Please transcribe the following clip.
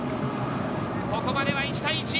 ここまでは１対１。